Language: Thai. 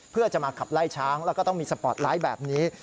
เพื่อจะมาขับไล่ช้างแล้วก็ต้องมีสปอร์ตไลท์แบบนี้